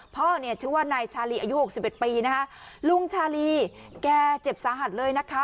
พ่อเนี่ยชื่อว่านายชาลีอายุหกสิบเอ็ดปีนะคะลุงชาลีแกเจ็บสาหัสเลยนะคะ